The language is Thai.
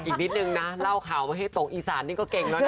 อีกนิดนึงนะเล่าข่าวไม่ให้ตกอีสานนี่ก็เก่งแล้วนะ